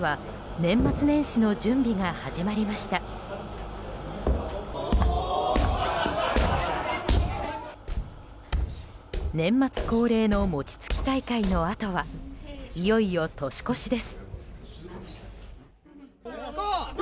年末恒例の餅つき大会のあとはいよいよ年越しです。